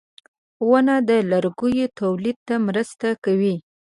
• ونه د لرګیو تولید ته مرسته کوي.